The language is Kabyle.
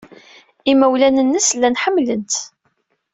Imawlan-nnes llan ḥemmlen-tt.